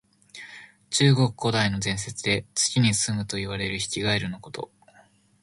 中国古代の伝説で、月にすむといわれるヒキガエルのこと。